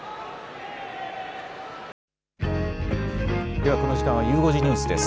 ではこの時間はゆう５時ニュースです。